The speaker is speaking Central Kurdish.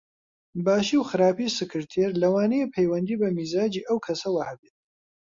باشی و خراپی سکرتێر لەوانەیە پەیوەندی بە میزاجی ئەو کەسەوە هەبێت